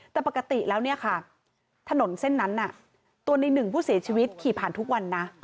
แต่ปกติแล้วเนี่ยค่ะถนนเส้นนั้นตัวในหนึ่งผู้เสียชีวิตขี่ผ่านทุกวันนะ